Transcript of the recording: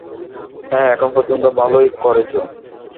হেই, এখন পর্যন্ত ভালোই করেছো।